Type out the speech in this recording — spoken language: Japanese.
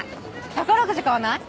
宝くじ買わない？